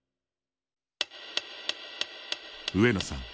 上野さん